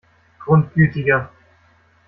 Grundgütiger!